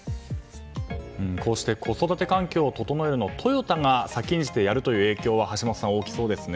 こうして子育て環境を整えるのをトヨタが先んじてやるという影響は橋下さん、大きそうですね。